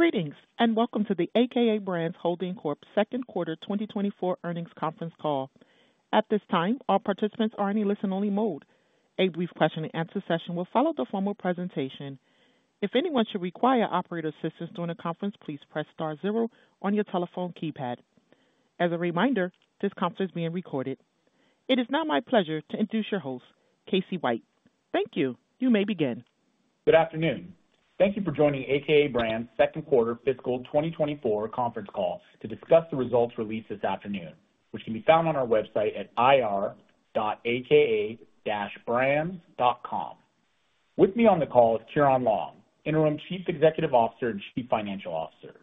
Greetings and welcome to the a.k.a. Brands Holding Corp. Second Quarter 2024 Earnings Conference Call. At this time, all participants are in a listen-only mode. A brief question-and-answer session will follow the formal presentation. If anyone should require operator assistance during the conference, please press star zero on your telephone keypad. As a reminder, this conference is being recorded. It is now my pleasure to introduce your host, Casey White. Thank you. You may begin. Good afternoon. Thank you for joining a.k.a. Brands Second Quarter Fiscal 2024 Conference Call to discuss the results released this afternoon, which can be found on our website at ir.aka-brands.com. With me on the call is Ciaran Long, Interim Chief Executive Officer and Chief Financial Officer.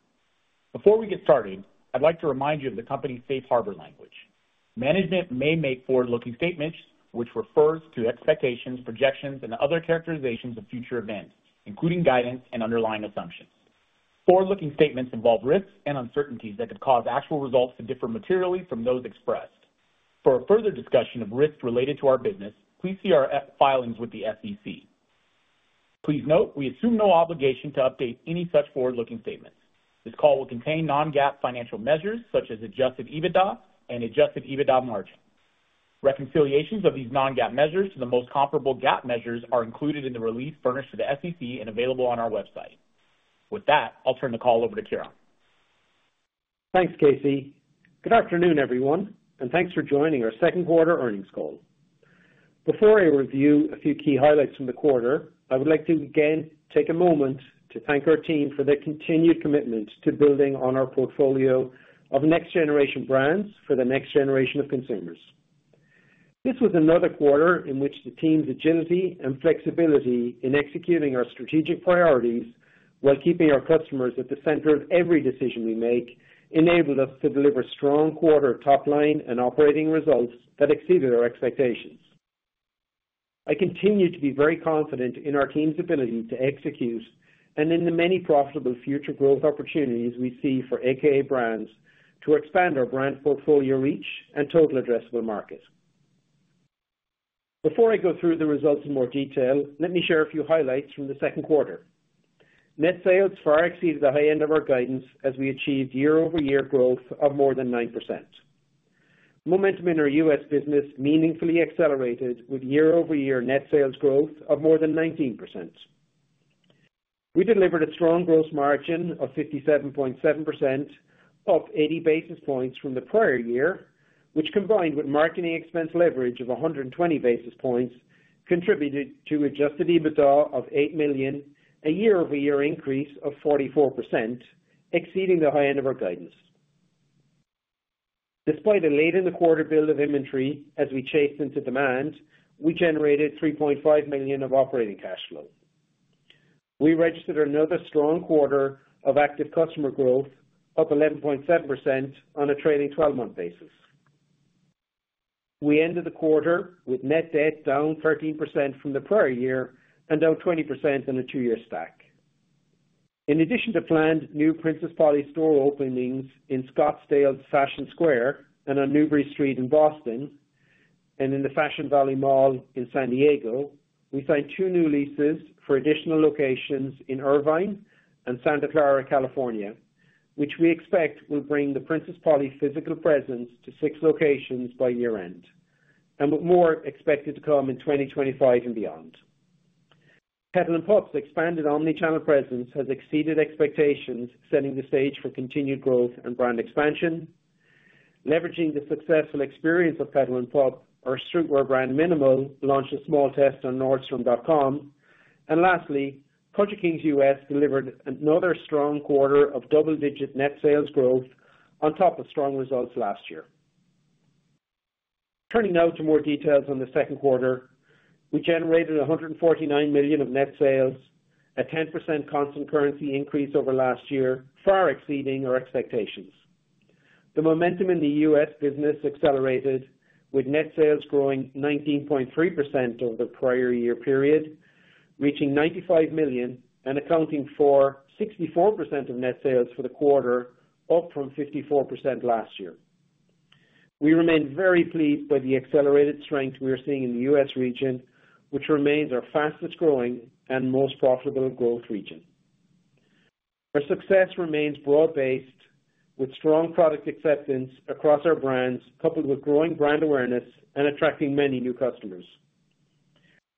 Before we get started, I'd like to remind you of the company's safe harbor language. Management may make forward-looking statements, which refers to expectations, projections, and other characterizations of future events, including guidance and underlying assumptions. Forward-looking statements involve risks and uncertainties that could cause actual results to differ materially from those expressed. For further discussion of risks related to our business, please see our filings with the SEC. Please note, we assume no obligation to update any such forward-looking statements. This call will contain non-GAAP financial measures such as Adjusted EBITDA and Adjusted EBITDA Margin. Reconciliations of these non-GAAP measures to the most comparable GAAP measures are included in the release furnished to the SEC and available on our website. With that, I'll turn the call over to Ciaran. Thanks, Casey. Good afternoon, everyone, and thanks for joining our Second Quarter Earnings Call. Before I review a few key highlights from the quarter, I would like to again take a moment to thank our team for their continued commitment to building on our portfolio of next-generation brands for the next generation of consumers. This was another quarter in which the team's agility and flexibility in executing our strategic priorities while keeping our customers at the center of every decision we make enabled us to deliver strong quarter top-line and operating results that exceeded our expectations. I continue to be very confident in our team's ability to execute and in the many profitable future growth opportunities we see for a.k.a. Brands to expand our brand portfolio reach and total addressable market. Before I go through the results in more detail, let me share a few highlights from the second quarter. Net sales far exceeded the high end of our guidance as we achieved year-over-year growth of more than 9%. Momentum in our U.S. business meaningfully accelerated with year-over-year net sales growth of more than 19%. We delivered a strong gross margin of 57.7% up 80 basis points from the prior year, which combined with marketing expense leverage of 120 basis points contributed to adjusted EBITDA of $8 million, a year-over-year increase of 44%, exceeding the high end of our guidance. Despite a late-in-the-quarter build of inventory as we chased into demand, we generated $3.5 million of operating cash flow. We registered another strong quarter of active customer growth of 11.7% on a trailing 12-month basis. We ended the quarter with net debt down 13% from the prior year and down 20% on a two-year stack. In addition to planned new Princess Polly store openings in Scottsdale Fashion Square and on Newbury Street in Boston and in the Fashion Valley Mall in San Diego, we signed 2 new leases for additional locations in Irvine and Santa Clara, California, which we expect will bring the Princess Polly physical presence to 6 locations by year-end and with more expected to come in 2025 and beyond. Petal & Pup expanded Omnichannel presence has exceeded expectations, setting the stage for continued growth and brand expansion. Leveraging the successful experience of Petal & Pup, our streetwear brand mnml launched a small test on Nordstrom.com. And lastly, Culture Kings U.S. delivered another strong quarter of double-digit net sales growth on top of strong results last year. Turning now to more details on the second quarter, we generated $149 million of net sales, a 10% constant currency increase over last year, far exceeding our expectations. The momentum in the U.S. business accelerated with net sales growing 19.3% over the prior year period, reaching $95 million and accounting for 64% of net sales for the quarter, up from 54% last year. We remain very pleased by the accelerated strength we are seeing in the U.S. region, which remains our fastest growing and most profitable growth region. Our success remains broad-based with strong product acceptance across our brands, coupled with growing brand awareness and attracting many new customers.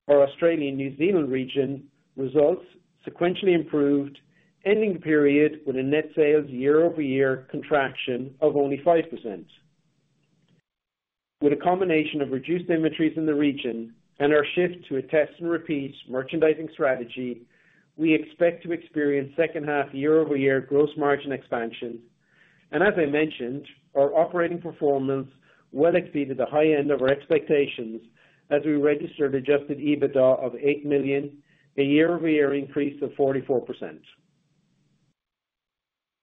Our Australian-New Zealand region results sequentially improved, ending the period with a net sales year-over-year contraction of only 5%. With a combination of reduced inventories in the region and our shift to a test-and-repeat merchandising strategy, we expect to experience second-half year-over-year Gross Margin expansion. And as I mentioned, our operating performance well exceeded the high end of our expectations as we registered Adjusted EBITDA of $8 million, a year-over-year increase of 44%.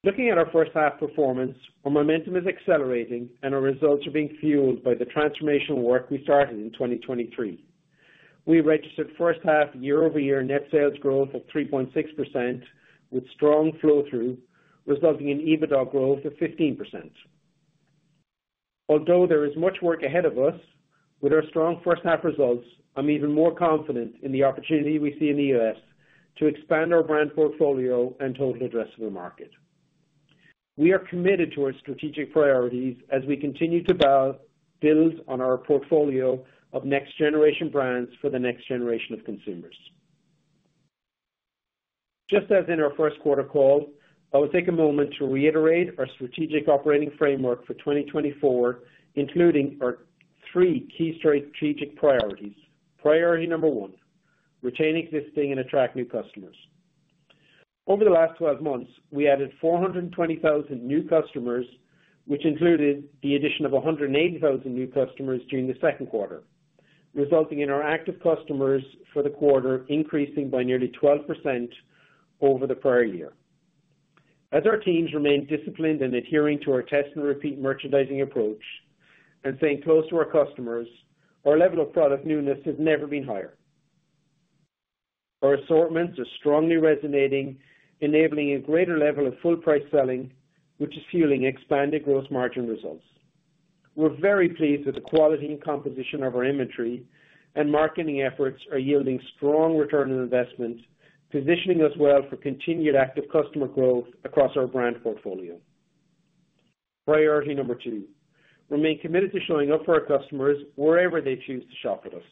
Looking at our first-half performance, our momentum is accelerating and our results are being fueled by the transformational work we started in 2023. We registered first-half year-over-year net sales growth of 3.6% with strong flow-through, resulting in EBITDA growth of 15%. Although there is much work ahead of us, with our strong first-half results, I'm even more confident in the opportunity we see in the U.S. to expand our brand portfolio and Total Addressable Market. We are committed to our strategic priorities as we continue to build on our portfolio of next-generation brands for the next generation of consumers. Just as in our first quarter call, I will take a moment to reiterate our strategic operating framework for 2024, including our three key strategic priorities. Priority number one: retain existing and attract new customers. Over the last 12 months, we added 420,000 new customers, which included the addition of 180,000 new customers during the second quarter, resulting in our Active Customers for the quarter increasing by nearly 12% over the prior year. As our teams remain disciplined and adhering to our Test-and-Repeat merchandising approach and staying close to our customers, our level of product newness has never been higher. Our assortments are strongly resonating, enabling a greater level of full-price selling, which is fueling expanded Gross Margin results. We're very pleased with the quality and composition of our inventory, and marketing efforts are yielding strong return on investment, positioning us well for continued active customer growth across our brand portfolio. Priority number 2: remain committed to showing up for our customers wherever they choose to shop with us.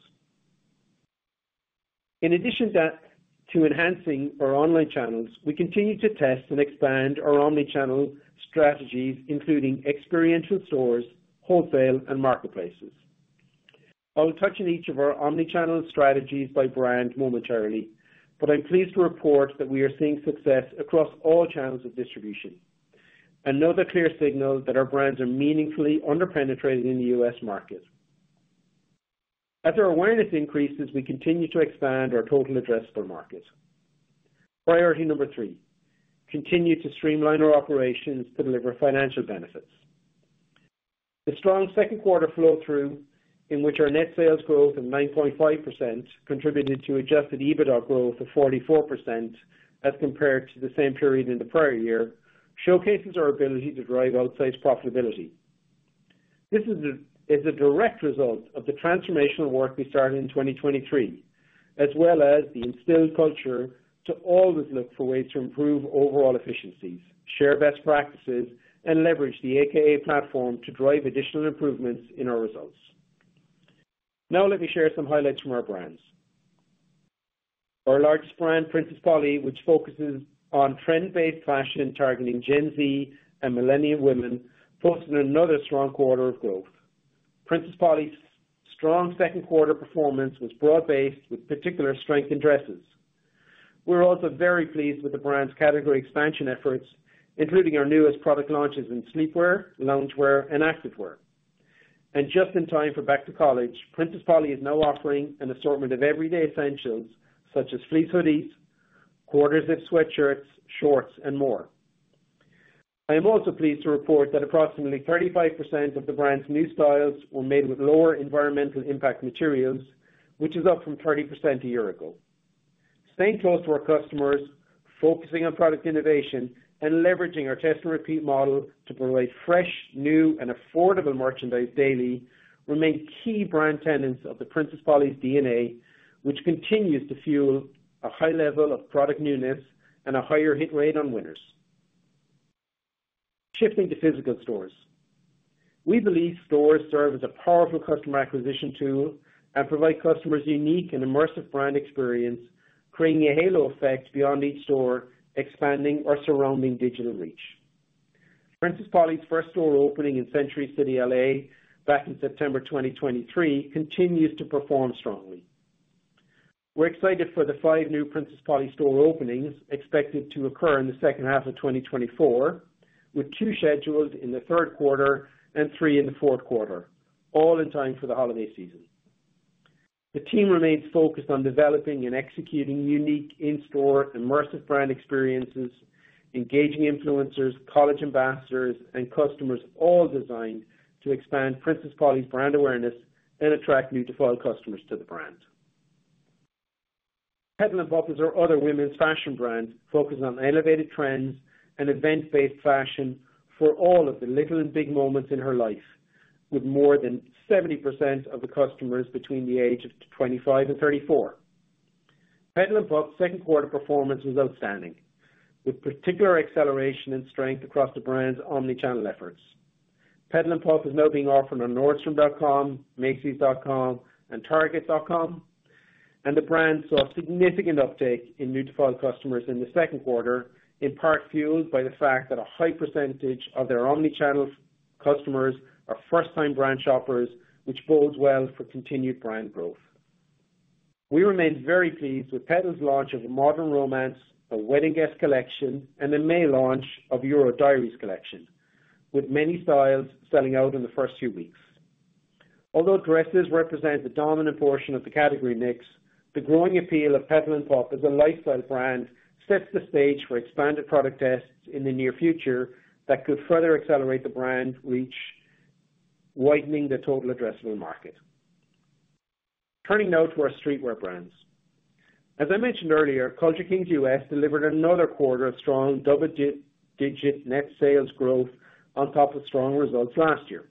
In addition to enhancing our omnichannel, we continue to test and expand our omnichannel strategies, including experiential stores, wholesale, and marketplaces. I'll touch on each of our omnichannel strategies by brand momentarily, but I'm pleased to report that we are seeing success across all channels of distribution and know the clear signal that our brands are meaningfully underpenetrated in the U.S. market. As our awareness increases, we continue to expand our total addressable market. Priority number 3: continue to streamline our operations to deliver financial benefits. The strong second-quarter flow-through, in which our net sales growth of 9.5% contributed to Adjusted EBITDA growth of 44% as compared to the same period in the prior year, showcases our ability to drive outsized profitability. This is a direct result of the transformational work we started in 2023, as well as the instilled culture to always look for ways to improve overall efficiencies, share best practices, and leverage the a.k.a. platform to drive additional improvements in our results. Now, let me share some highlights from our brands. Our largest brand, Princess Polly, which focuses on trend-based fashion targeting Gen Z and Millennial women, posted another strong quarter of growth. Princess Polly's strong second quarter performance was broad-based with particular strength in dresses. We're also very pleased with the brand's category expansion efforts, including our newest product launches in sleepwear, loungewear, and activewear. Just in time for Back to College, Princess Polly is now offering an assortment of everyday essentials such as fleece hoodies, quarter zip sweatshirts, shorts, and more. I am also pleased to report that approximately 35% of the brand's new styles were made with lower environmental impact materials, which is up from 30% a year ago. Staying close to our customers, focusing on product innovation, and leveraging our test-and-repeat model to provide fresh, new, and affordable merchandise daily remain key brand tenets of Princess Polly's DNA, which continues to fuel a high level of product newness and a higher hit rate on winners. Shifting to physical stores, we believe stores serve as a powerful customer acquisition tool and provide customers a unique and immersive brand experience, creating a halo effect beyond each store, expanding our surrounding digital reach. Princess Polly's first store opening in Century City, L.A., back in September 2023, continues to perform strongly. We're excited for the five new Princess Polly store openings expected to occur in the second half of 2024, with two scheduled in the third quarter and three in the fourth quarter, all in time for the holiday season. The team remains focused on developing and executing unique in-store immersive brand experiences, engaging influencers, college ambassadors, and customers all designed to expand Princess Polly's brand awareness and attract newly defined customers to the brand. Petal & Pup is our other women's fashion brand focused on elevated trends and event-based fashion for all of the little and big moments in her life, with more than 70% of the customers between the age of 25 and 34. Petal & Pup's second quarter performance was outstanding, with particular acceleration and strength across the brand's omnichannel efforts. Petal & Pup is now being offered on Nordstrom.com, Macy's.com, and Target.com, and the brand saw a significant uptake in newly acquired customers in the second quarter, in part fueled by the fact that a high percentage of their omnichannel customers are first-time brand shoppers, which bodes well for continued brand growth. We remain very pleased with Petal & Pup's launch of a Modern Romance, a Wedding Guest Collection, and a May launch of Euro Diaries Collection, with many styles selling out in the first few weeks. Although dresses represent the dominant portion of the category mix, the growing appeal of Petal & Pup as a lifestyle brand sets the stage for expanded product tests in the near future that could further accelerate the brand reach, widening the total addressable market. Turning now to our streetwear brands. As I mentioned earlier, Culture Kings U.S. delivered another quarter of strong double-digit net sales growth on top of strong results last year.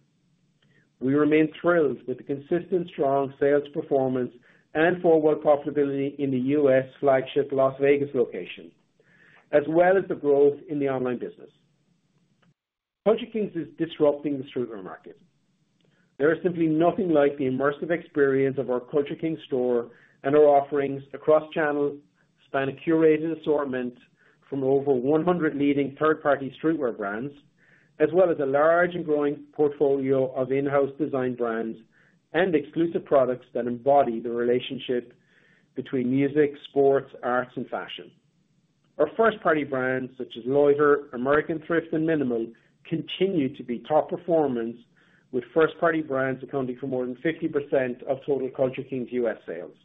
We remain thrilled with the consistent strong sales performance and forward profitability in the U.S. flagship Las Vegas location, as well as the growth in the online business. Culture Kings is disrupting the streetwear market. There is simply nothing like the immersive experience of our Culture Kings store and our offerings across channels to span a curated assortment from over 100 leading third-party streetwear brands, as well as a large and growing portfolio of in-house design brands and exclusive products that embody the relationship between music, sports, arts, and fashion. Our first-party brands, such as Loiter, American Thrift, and mnml, continue to be top performance, with first-party brands accounting for more than 50% of total Culture Kings U.S. sales.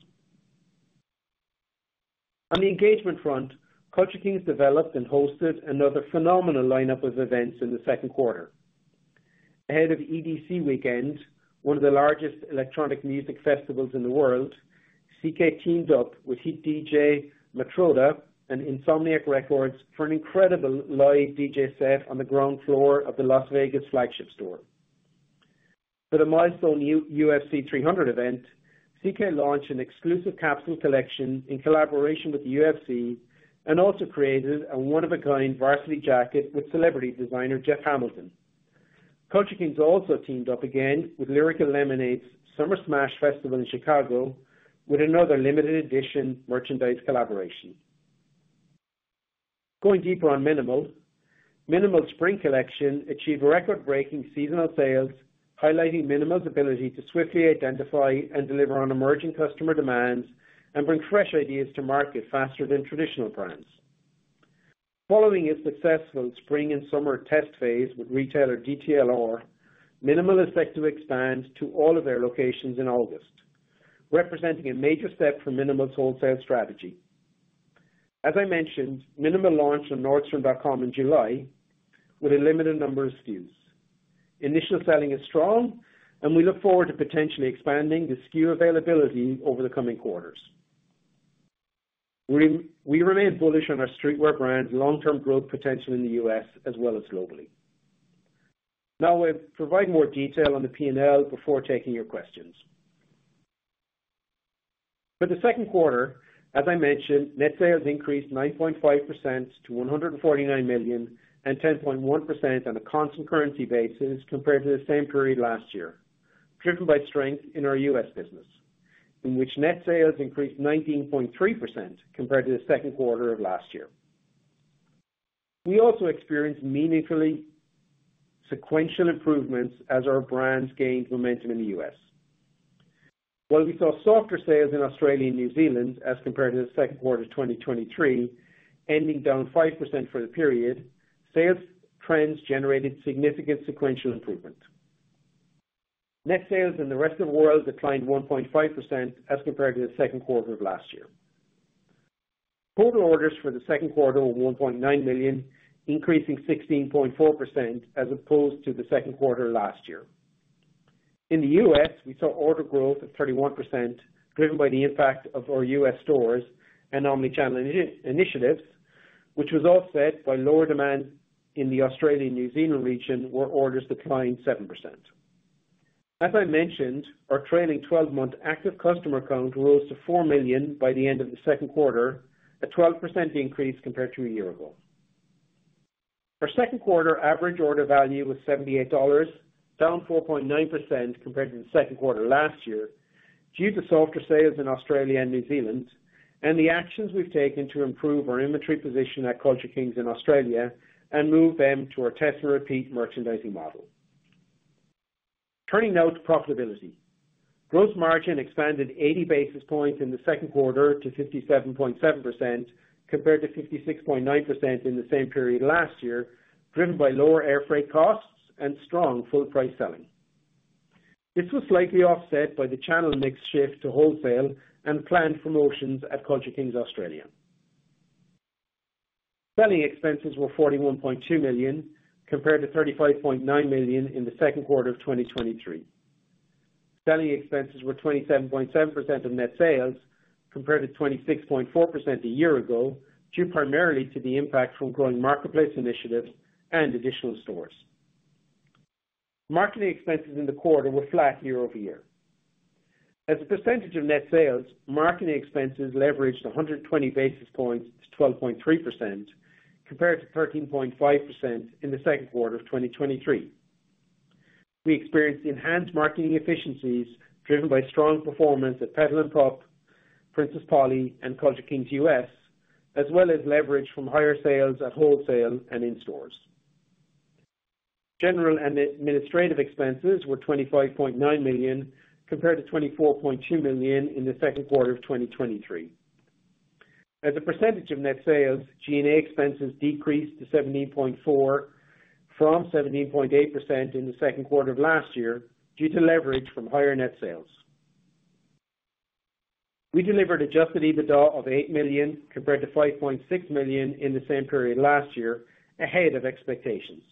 On the engagement front, Culture Kings developed and hosted another phenomenal lineup of events in the second quarter. Ahead of EDC weekend, one of the largest electronic music festivals in the world, CK teamed up with hit DJ Matroda and Insomniac Records for an incredible live DJ set on the ground floor of the Las Vegas flagship store. For the Milestone UFC 300 event, CK launched an exclusive capsule collection in collaboration with UFC and also created a one-of-a-kind varsity jacket with celebrity designer Jeff Hamilton. Culture Kings also teamed up again with Lyrical Lemonade's Summer Smash Festival in Chicago with another limited-edition merchandise collaboration. Going deeper on mnml, mnml's spring collection achieved record-breaking seasonal sales, highlighting mnml's ability to swiftly identify and deliver on emerging customer demands and bring fresh ideas to market faster than traditional brands. Following a successful spring and summer test phase with retailer DTLR, mnml is set to expand to all of their locations in August, representing a major step for mnml's wholesale strategy. As I mentioned, mnml launched on Nordstrom.com in July with a limited number of SKUs. Initial selling is strong, and we look forward to potentially expanding the SKU availability over the coming quarters. We remain bullish on our streetwear brand's long-term growth potential in the U.S. as well as globally. Now, I'll provide more detail on the P&L before taking your questions. For the second quarter, as I mentioned, net sales increased 9.5% to $149 million and 10.1% on a constant currency basis compared to the same period last year, driven by strength in our U.S. business, in which net sales increased 19.3% compared to the second quarter of last year. We also experienced meaningfully sequential improvements as our brands gained momentum in the U.S. While we saw softer sales in Australia and New Zealand as compared to the second quarter of 2023, ending down 5% for the period, sales trends generated significant sequential improvement. Net sales in the rest of the world declined 1.5% as compared to the second quarter of last year. Total orders for the second quarter were 1.9 million, increasing 16.4% as opposed to the second quarter last year. In the U.S., we saw order growth of 31%, driven by the impact of our U.S. stores and omnichannel initiatives, which was offset by lower demand in the Australia and New Zealand region, where orders declined 7%. As I mentioned, our trailing 12-month active customer count rose to 4 million by the end of the second quarter, a 12% increase compared to a year ago. Our second quarter average order value was $78, down 4.9% compared to the second quarter last year due to softer sales in Australia and New Zealand, and the actions we've taken to improve our inventory position at Culture Kings in Australia and move them to our test-and-repeat merchandising model. Turning now to profitability. Gross margin expanded 80 basis points in the second quarter to 57.7% compared to 56.9% in the same period last year, driven by lower air freight costs and strong full-price selling. This was slightly offset by the channel mix shift to wholesale and planned promotions at Culture Kings Australia. Selling expenses were $41.2 million compared to $35.9 million in the second quarter of 2023. Selling expenses were 27.7% of net sales compared to 26.4% a year ago, due primarily to the impact from growing marketplace initiatives and additional stores. Marketing expenses in the quarter were flat year-over-year. As a percentage of net sales, marketing expenses leveraged 120 basis points to 12.3% compared to 13.5% in the second quarter of 2023. We experienced enhanced marketing efficiencies driven by strong performance at Petal & Pup, Princess Polly, and Culture Kings U.S., as well as leverage from higher sales at wholesale and in-stores. General and administrative expenses were $25.9 million compared to $24.2 million in the second quarter of 2023. As a percentage of net sales, G&A expenses decreased to 17.4% from 17.8% in the second quarter of last year due to leverage from higher net sales. We delivered Adjusted EBITDA of $8 million compared to $5.6 million in the same period last year, ahead of expectations.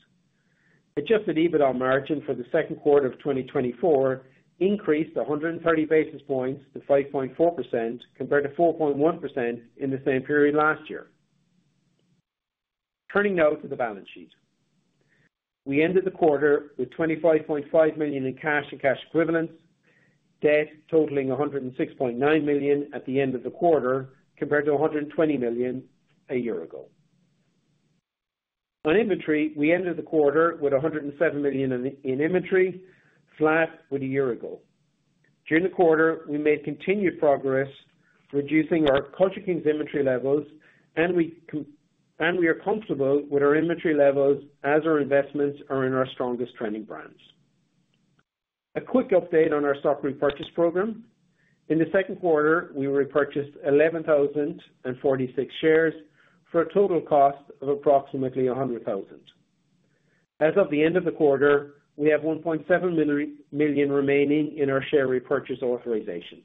Adjusted EBITDA margin for the second quarter of 2024 increased 130 basis points to 5.4% compared to 4.1% in the same period last year. Turning now to the balance sheet. We ended the quarter with $25.5 million in cash and cash equivalents, debt totaling $106.9 million at the end of the quarter compared to $120 million a year ago. On inventory, we ended the quarter with $107 million in inventory, flat with a year ago. During the quarter, we made continued progress, reducing our Culture Kings inventory levels, and we are comfortable with our inventory levels as our investments are in our strongest trending brands. A quick update on our stock repurchase program. In the second quarter, we repurchased 11,046 shares for a total cost of approximately $100,000. As of the end of the quarter, we have $1.7 million remaining in our share repurchase authorization.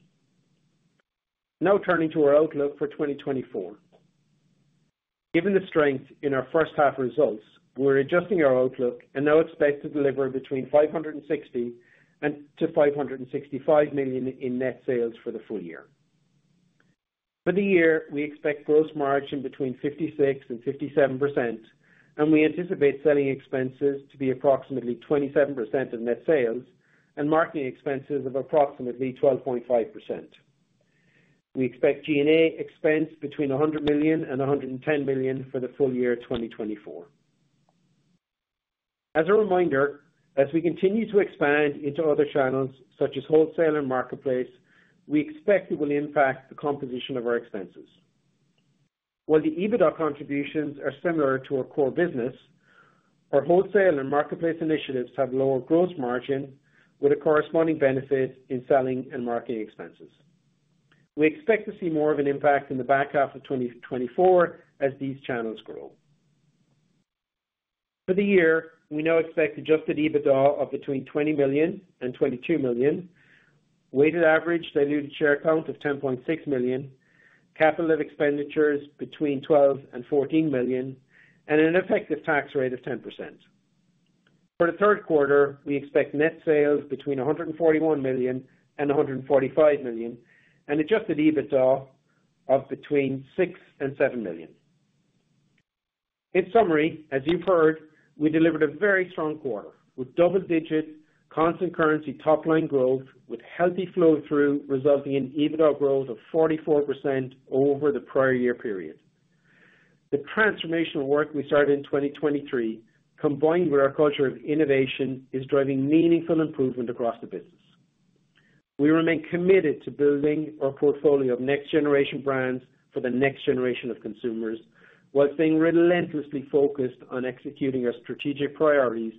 Now, turning to our outlook for 2024. Given the strength in our first half results, we're adjusting our outlook and now expect to deliver between $560 million-$565 million in net sales for the full year. For the year, we expect gross margin between 56%-57%, and we anticipate selling expenses to be approximately 27% of net sales and marketing expenses of approximately 12.5%. We expect G&A expense between $100 million-$110 million for the full year 2024. As a reminder, as we continue to expand into other channels such as wholesale and marketplace, we expect it will impact the composition of our expenses. While the EBITDA contributions are similar to our core business, our wholesale and marketplace initiatives have lower gross margin with a corresponding benefit in selling and marketing expenses. We expect to see more of an impact in the back half of 2024 as these channels grow. For the year, we now expect adjusted EBITDA of between $20 million and $22 million, weighted average diluted share count of 10.6 million, capital expenditures between $12 million and $14 million, and an effective tax rate of 10%. For the third quarter, we expect net sales between $141 million and $145 million and adjusted EBITDA of between $6 million and $7 million. In summary, as you've heard, we delivered a very strong quarter with double-digit constant currency top-line growth with healthy flow-through resulting in EBITDA growth of 44% over the prior year period. The transformational work we started in 2023, combined with our culture of innovation, is driving meaningful improvement across the business. We remain committed to building our portfolio of next-generation brands for the next generation of consumers while staying relentlessly focused on executing our strategic priorities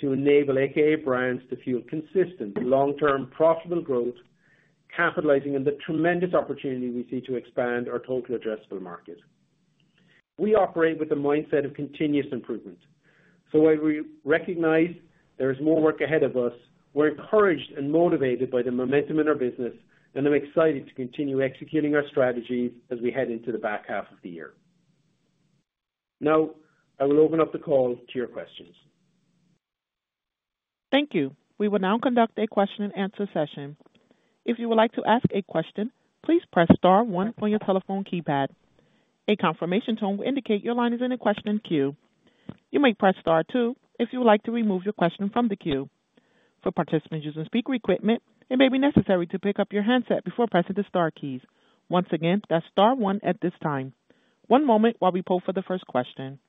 to enable a.k.a. Brands to fuel consistent long-term profitable growth, capitalizing on the tremendous opportunity we see to expand our total addressable market. We operate with a mindset of continuous improvement. So while we recognize there is more work ahead of us, we're encouraged and motivated by the momentum in our business, and I'm excited to continue executing our strategies as we head into the back half of the year. Now, I will open up the call to your questions. Thank you. We will now conduct a question-and-answer session. If you would like to ask a question, please press Star 1 from your telephone keypad. A confirmation tone will indicate your line is in a question queue. You may press Star 2 if you would like to remove your question from the queue. For participants using speaker equipment, it may be necessary to pick up your handset before pressing the Star keys. Once again, that's Star 1 at this time. One moment while we pull for the first question.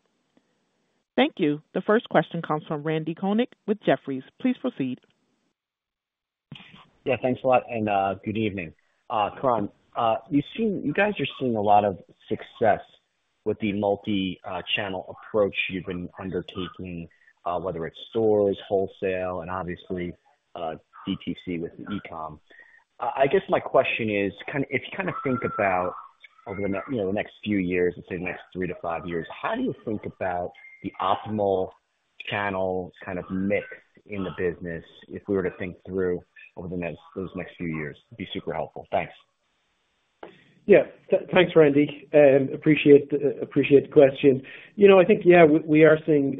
Thank you. The first question comes from Randal Konik with Jefferies. Please proceed. Yeah, thanks a lot, and good evening. Ciaran, you guys are seeing a lot of success with the multi-channel approach you've been undertaking, whether it's stores, wholesale, and obviously DTC with e-com. I guess my question is, if you kind of think about over the next few years, let's say the next three to five years, how do you think about the optimal channel kind of mix in the business if we were to think through over those next few years? It'd be super helpful. Thanks. Yeah, thanks, Randy. Appreciate the question. I think, yeah, we are seeing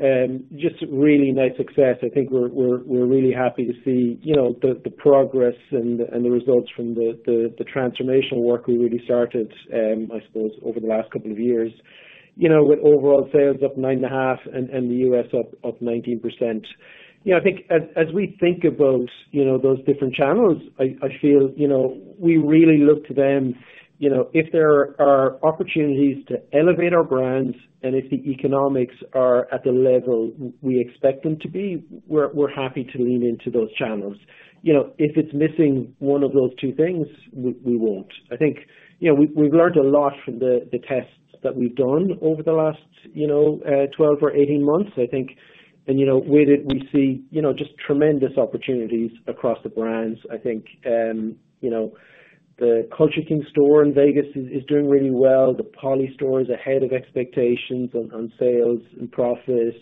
just really nice success. I think we're really happy to see the progress and the results from the transformational work we really started, I suppose, over the last couple of years, with overall sales up 9.5% and the U.S. up 19%. I think as we think about those different channels, I feel we really look to them. If there are opportunities to elevate our brands and if the economics are at the level we expect them to be, we're happy to lean into those channels. If it's missing one of those two things, we won't. I think we've learned a lot from the tests that we've done over the last 12 or 18 months, I think, and with it, we see just tremendous opportunities across the brands. I think the Culture Kings store in Vegas is doing really well. The Princess Polly store is ahead of expectations on sales and profits.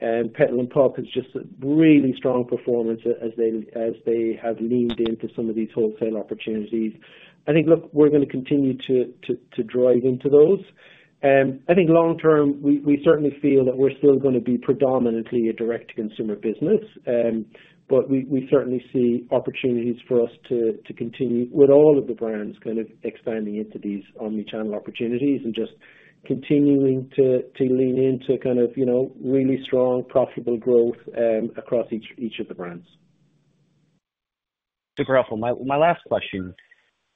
Petal & Pup has just a really strong performance as they have leaned into some of these wholesale opportunities. I think, look, we're going to continue to drive into those. I think long-term, we certainly feel that we're still going to be predominantly a direct-to-consumer business, but we certainly see opportunities for us to continue with all of the brands kind of expanding into these omnichannel opportunities and just continuing to lean into kind of really strong, profitable growth across each of the brands. Super helpful. My last question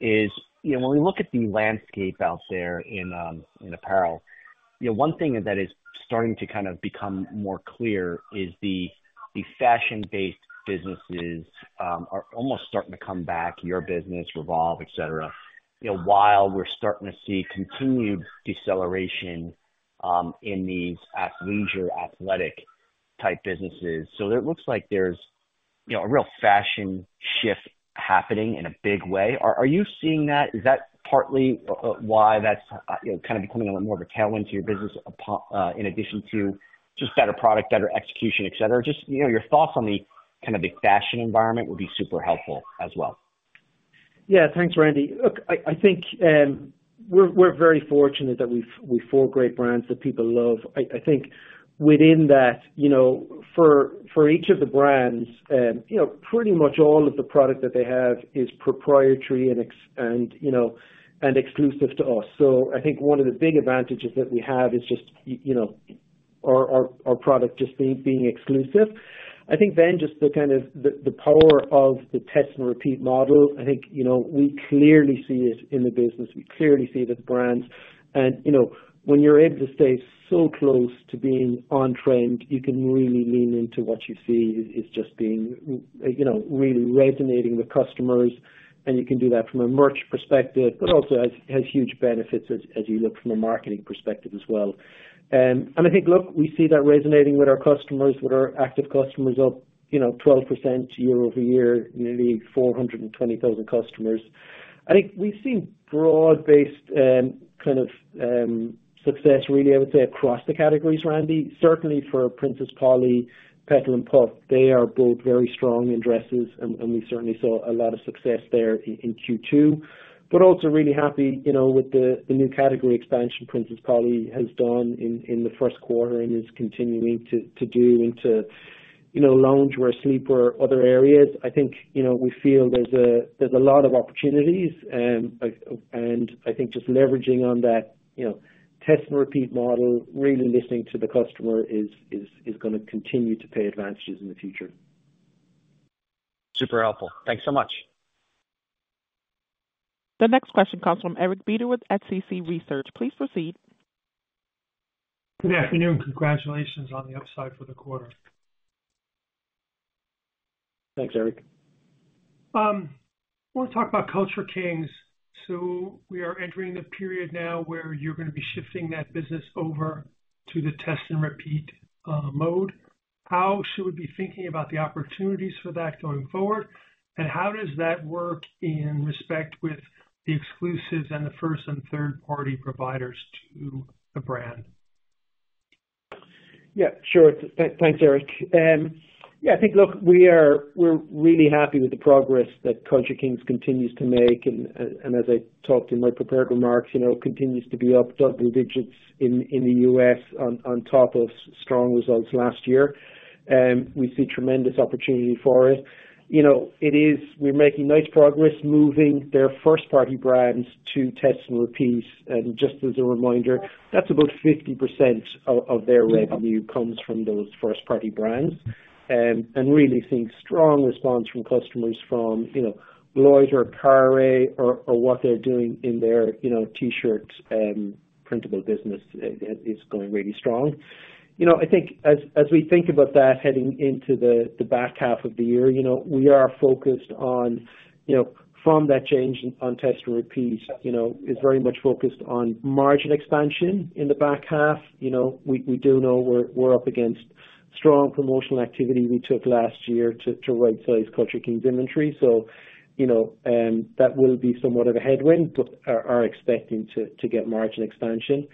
is, when we look at the landscape out there in apparel, one thing that is starting to kind of become more clear is the fashion-based businesses are almost starting to come back, your business, Revolve, etc., while we're starting to see continued deceleration in these leisure athletic-type businesses. So it looks like there's a real fashion shift happening in a big way. Are you seeing that? Is that partly why that's kind of becoming a little bit more of a tailwind to your business in addition to just better product, better execution, etc.? Just your thoughts on the kind of the fashion environment would be super helpful as well. Yeah, thanks, Randy. Look, I think we're very fortunate that we've four great brands that people love. I think within that, for each of the brands, pretty much all of the product that they have is proprietary and exclusive to us. So I think one of the big advantages that we have is just our product just being exclusive. I think then just the kind of the power of the Test-and-Repeat model, I think we clearly see it in the business. We clearly see the brands. And when you're able to stay so close to being on-trend, you can really lean into what you see is just being really resonating with customers. And you can do that from a merch perspective, but also has huge benefits as you look from a marketing perspective as well. And I think, look, we see that resonating with our customers with our Active Customers up 12% year-over-year, nearly 420,000 customers. I think we've seen broad-based kind of success, really, I would say, across the categories, Randy. Certainly for Princess Polly, Petal & Pup, they are both very strong in dresses, and we certainly saw a lot of success there in Q2, but also really happy with the new category expansion Princess Polly has done in the first quarter and is continuing to do into loungewear, sleepwear, other areas. I think we feel there's a lot of opportunities, and I think just leveraging on that Test-and-Repeat model, really listening to the customer is going to continue to pay advantages in the future. Super helpful. Thanks so much. The next question comes from Eric Beder with Small Cap Consumer Research. Please proceed. Good afternoon. Congratulations on the upside for the quarter. Thanks, Eric. I want to talk about Culture Kings. So we are entering the period now where you're going to be shifting that business over to the test-and-repeat mode. How should we be thinking about the opportunities for that going forward, and how does that work in respect with the exclusives and the first and third-party providers to the brand? Yeah, sure. Thanks, Eric. Yeah, I think, look, we're really happy with the progress that Culture Kings continues to make, and as I talked in my prepared remarks, continues to be up double digits in the U.S. on top of strong results last year. We see tremendous opportunity for it. It is we're making nice progress moving their first-party brands to test-and-repeats. And just as a reminder, that's about 50% of their revenue comes from those first-party brands. Really seeing strong response from customers from Loiter's or Carré or what they're doing in their T-shirt printable business is going really strong. I think as we think about that heading into the back half of the year, we are focused on from that change on test-and-repeats, it's very much focused on margin expansion in the back half. We do know we're up against strong promotional activity we took last year to right-size Culture Kings inventory. So that will be somewhat of a headwind. But are expecting to get margin expansion.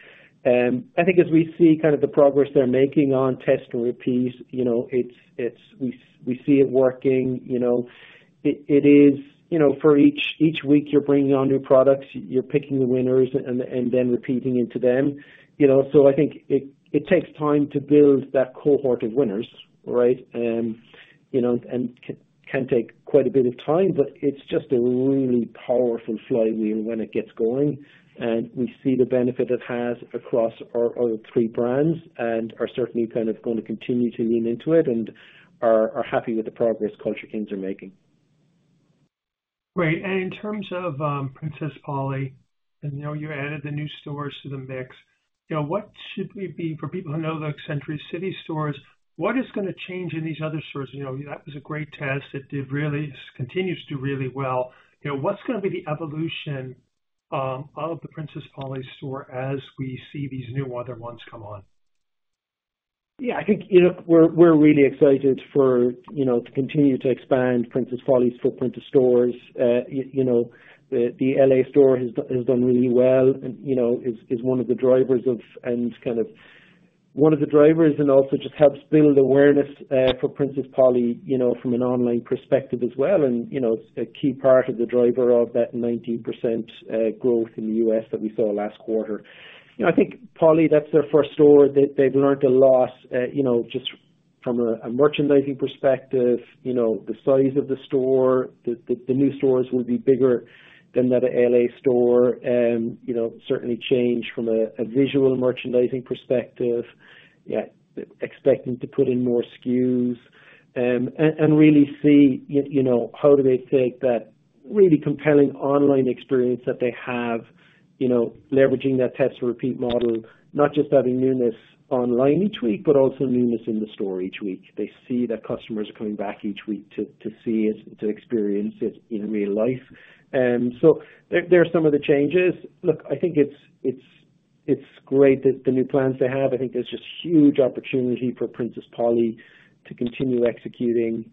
I think as we see kind of the progress they're making on test-and-repeats, we see it working. It is for each week you're bringing on new products, you're picking the winners and then repeating into them. So I think it takes time to build that cohort of winners, right, and can take quite a bit of time, but it's just a really powerful flywheel when it gets going. And we see the benefit it has across our other three brands and are certainly kind of going to continue to lean into it and are happy with the progress Culture Kings are making. Great. And in terms of Princess Polly, and you added the new stores to the mix, what should we be for people who know the Century City stores, what is going to change in these other stores? That was a great test. It continues to do really well. What's going to be the evolution of the Princess Polly store as we see these new other ones come on? Yeah, I think we're really excited to continue to expand Princess Polly's footprint of stores. The L.A. store has done really well and is one of the drivers of and kind of one of the drivers and also just helps build awareness for Princess Polly from an online perspective as well and a key part of the driver of that 19% growth in the U.S. that we saw last quarter. I think Polly, that's their first store. They've learned a lot just from a merchandising perspective, the size of the store. The new stores will be bigger than that L.A. store, certainly change from a visual merchandising perspective, expecting to put in more SKUs and really see how do they take that really compelling online experience that they have, leveraging that Test-and-Repeat model, not just having newness online each week, but also newness in the store each week. They see that customers are coming back each week to see it, to experience it in real life. So there are some of the changes. Look, I think it's great that the new plans they have. I think there's just huge opportunity for Princess Polly to continue executing,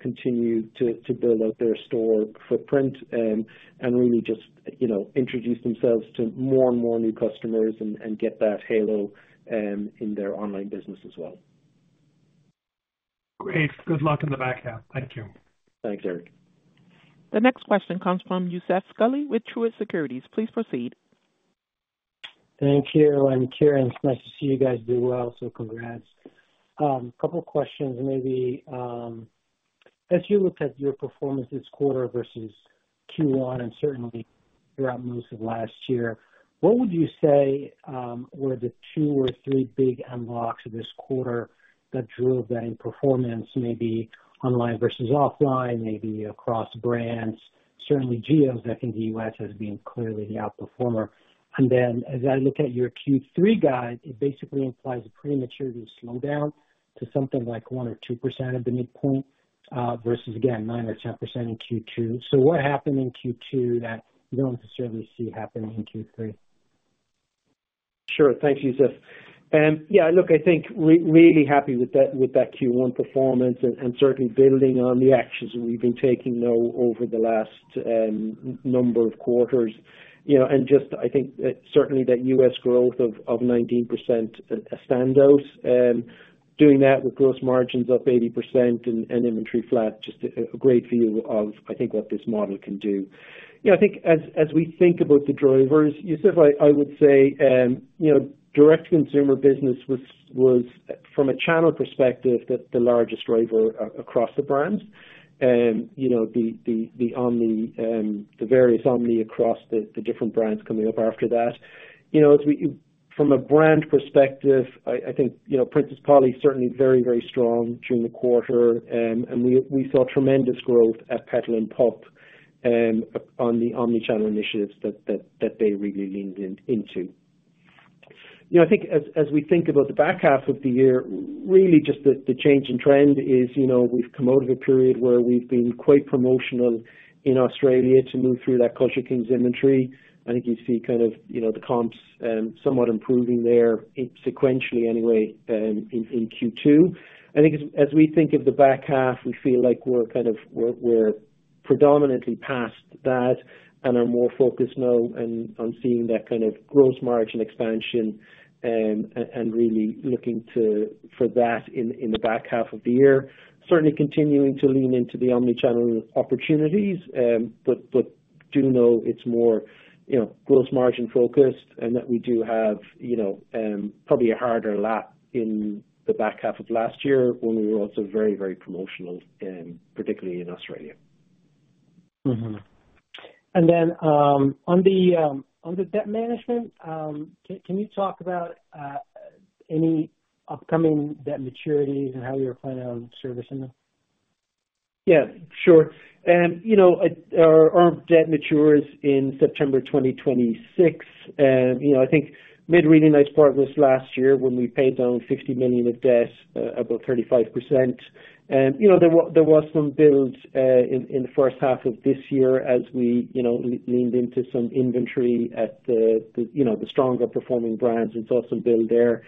continue to build out their store footprint, and really just introduce themselves to more and more new customers and get that halo in their online business as well. Great. Good luck in the back half. Thank you. Thanks, Eric. The next question comes from Youssef Squali with Truist Securities. Please proceed. Thank you. I'm Ciaran. It's nice to see you guys do well. So congrats. A couple of questions, maybe. As you looked at your performance this quarter versus Q1 and certainly throughout most of last year, what would you say were the two or three big unlocks of this quarter that drove that in performance, maybe online versus offline, maybe across brands? Certainly, so I think the U.S. has been clearly the outperformer. And then as I look at your Q3 guide, it basically implies a premature slowdown to something like 1% or 2% at the midpoint versus, again, 9% or 10% in Q2. So what happened in Q2 that you don't necessarily see happening in Q3? Sure. Thanks, Youssef. And yeah, look, I think really happy with that Q1 performance and certainly building on the actions that we've been taking over the last number of quarters. And just I think certainly that U.S. growth of 19%, a standout, doing that with gross margins up 80% and inventory flat, just a great view of, I think, what this model can do. I think as we think about the drivers, Youssef, I would say direct-to-consumer business was, from a channel perspective, the largest driver across the brands, the various omni across the different brands coming up after that. From a brand perspective, I think Princess Polly certainly very, very strong during the quarter, and we saw tremendous growth at Petal & Pup on the omnichannel initiatives that they really leaned into. I think as we think about the back half of the year, really just the change in trend is we've come out of a period where we've been quite promotional in Australia to move through that Culture Kings inventory. I think you see kind of the comps somewhat improving there sequentially anyway in Q2. I think as we think of the back half, we feel like we're kind of predominantly past that and are more focused now on seeing that kind of gross margin expansion and really looking for that in the back half of the year. Certainly continuing to lean into the omnichannel opportunities, but do know it's more gross margin focused and that we do have probably a harder comp in the back half of last year when we were also very, very promotional, particularly in Australia. And then on the debt management, can you talk about any upcoming debt maturities and how you're planning on servicing them? Yeah, sure. And our debt matures in September 2026. I think we had a really nice progress last year when we paid down $50 million of debt, about 35%. There was some build in the first half of this year as we leaned into some inventory at the stronger performing brands and saw some build there.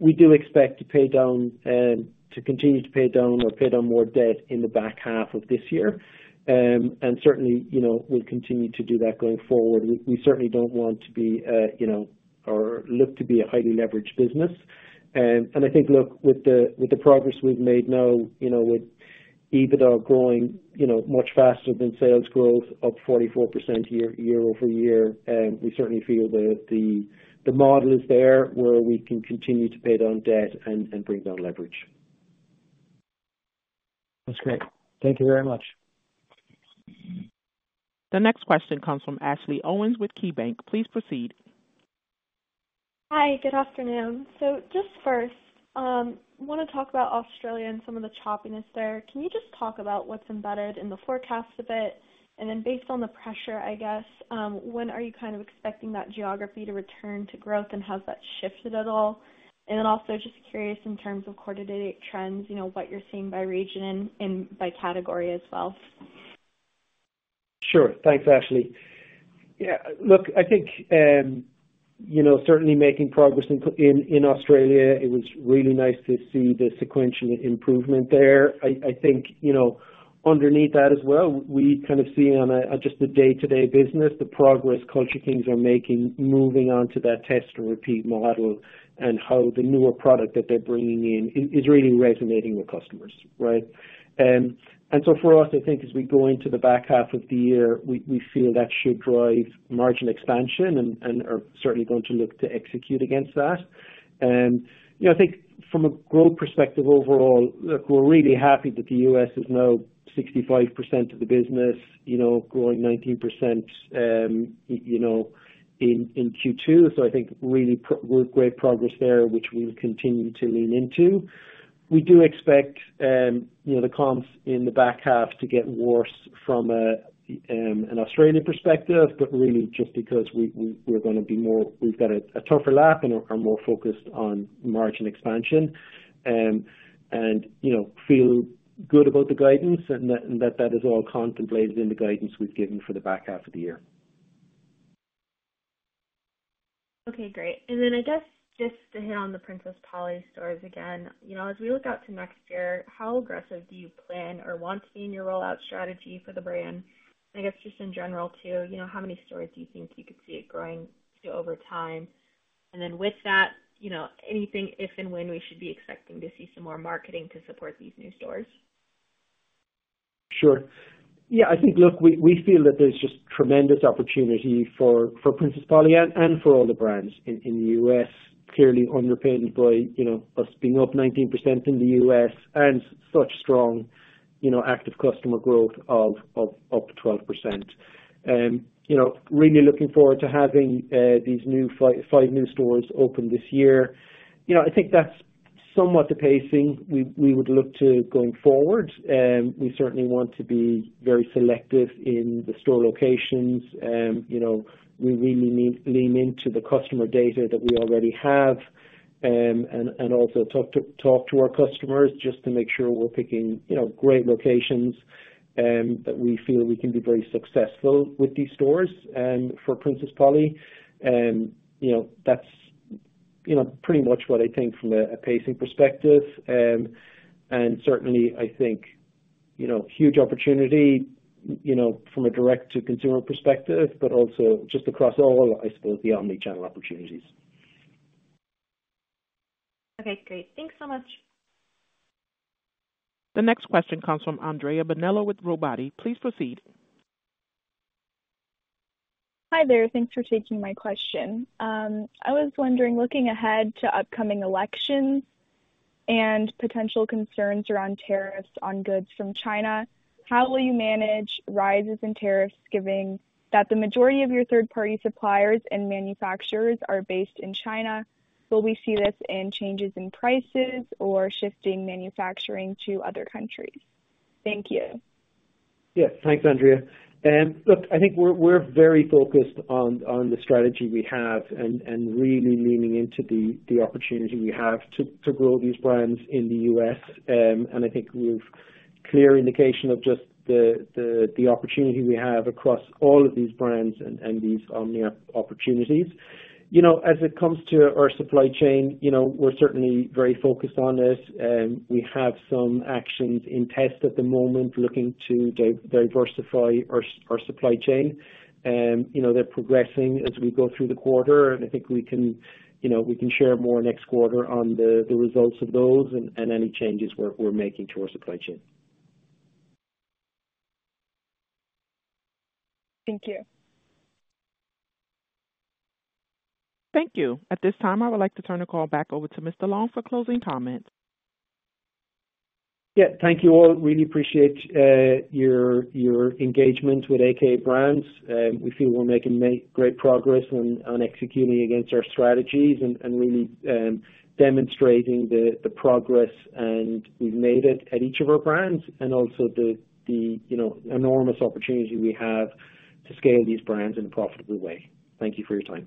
We do expect to continue to pay down or pay down more debt in the back half of this year. And certainly, we'll continue to do that going forward. We certainly don't want to be or look to be a highly leveraged business. And I think, look, with the progress we've made now with EBITDA growing much faster than sales growth, up 44% year-over-year, we certainly feel the model is there where we can continue to pay down debt and bring down leverage. That's great. Thank you very much. The next question comes from Ashley Owens with KeyBanc. Please proceed. Hi. Good afternoon. So just first, I want to talk about Australia and some of the choppiness there. Can you just talk about what's embedded in the forecast a bit? And then based on the pressure, I guess, when are you kind of expecting that geography to return to growth and has that shifted at all? And then also just curious in terms of quarter-to-date trends, what you're seeing by region and by category as well. Sure. Thanks, Ashley. Yeah. Look, I think certainly making progress in Australia, it was really nice to see the sequential improvement there. I think underneath that as well, we kind of see on just the day-to-day business, the progress Culture Kings are making moving on to that Test-and-Repeat model and how the newer product that they're bringing in is really resonating with customers, right? And so for us, I think as we go into the back half of the year, we feel that should drive margin expansion and are certainly going to look to execute against that. And I think from a growth perspective overall, look, we're really happy that the U.S. is now 65% of the business, growing 19% in Q2. So I think really great progress there, which we'll continue to lean into. We do expect the comps in the back half to get worse from an Australian perspective, but really just because we're going to be more, we've got a tougher lap and are more focused on margin expansion and feel good about the guidance and that that is all contemplated in the guidance we've given for the back half of the year. Okay. Great. And then I guess just to hit on the Princess Polly stores again, as we look out to next year, how aggressive do you plan or want to be in your rollout strategy for the brand? And I guess just in general too, how many stores do you think you could see it growing to over time? And then with that, anything, if and when, we should be expecting to see some more marketing to support these new stores? Sure. Yeah. I think, look, we feel that there's just tremendous opportunity for Princess Polly and for all the brands in the U.S. Clearly underpinned by us being up 19% in the U.S. and such strong active customer growth of 12%. Really looking forward to having these new five new stores open this year. I think that's somewhat the pacing we would look to going forward. We certainly want to be very selective in the store locations. We really lean into the customer data that we already have and also talk to our customers just to make sure we're picking great locations that we feel we can be very successful with these stores for Princess Polly. That's pretty much what I think from a pacing perspective. And certainly, I think huge opportunity from a direct-to-consumer perspective, but also just across all, I suppose, the omnichannel opportunities. Okay. Great. Thanks so much. The next question comes from Andrea Bonello with Robotti. Please proceed. Hi there. Thanks for taking my question. I was wondering, looking ahead to upcoming elections and potential concerns around tariffs on goods from China, how will you manage rises in tariffs given that the majority of your third-party suppliers and manufacturers are based in China? Will we see this in changes in prices or shifting manufacturing to other countries? Thank you. Yes. Thanks, Andrea. And look, I think we're very focused on the strategy we have and really leaning into the opportunity we have to grow these brands in the U.S. And I think we have clear indication of just the opportunity we have across all of these brands and these omni opportunities. As it comes to our supply chain, we're certainly very focused on this. We have some actions in test at the moment looking to diversify our supply chain. They're progressing as we go through the quarter. And I think we can share more next quarter on the results of those and any changes we're making to our supply chain. Thank you. Thank you. At this time, I would like to turn the call back over to Mr. Long for closing comments. Yeah. Thank you all. Really appreciate your engagement with a.k.a. Brands. We feel we're making great progress on executing against our strategies and really demonstrating the progress we've made at each of our brands and also the enormous opportunity we have to scale these brands in a profitable way. Thank you for your time.